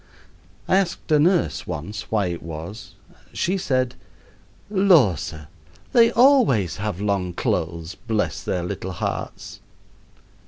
I asked a nurse once why it was. She said: "Lor', sir, they always have long clothes, bless their little hearts."